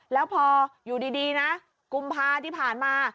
แล้วพออยู่ดีนะกุมภาที่ผ่านมา